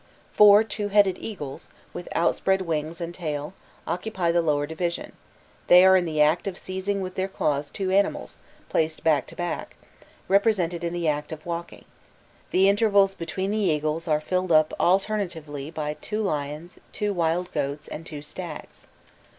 Four two headed eagles, with outspread wings and tail, occupy the lower division; they are in the act of seizing with their claws two animals, placed back to back, represented in the act of walking: the intervals between the eagles are filled up alternatively by two lions, two wild goats, and two stags.